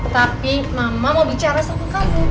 tapi mama mau bicara sama kamu